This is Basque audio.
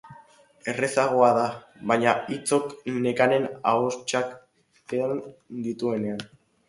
Errazagoa da, baina, hitzok Nekanek ahoskatzen dituenean.